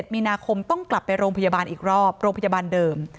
มีนาคมต้องกลับไปโรงพยาบาลอีกรอบโรงพยาบาลเดิม